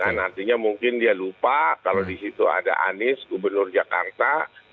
nah artinya mungkin dia lupa kalau di situ ada anies gubernur jakarta